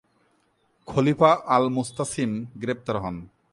খলিফা Al Mustasim গ্রেপ্তার হন।